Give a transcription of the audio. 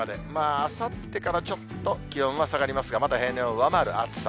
あさってからちょっと気温は下がりますが、まだ平年を上回る暑さ。